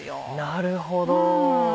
なるほど。